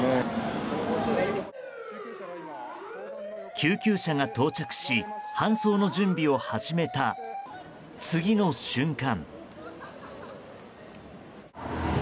救急車が到着し搬送の準備を始めた次の瞬間。